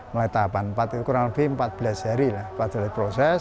melayu tahapan kurang lebih empat belas hari proses